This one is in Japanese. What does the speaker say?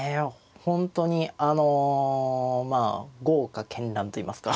本当にあのまあ豪華絢爛といいますか。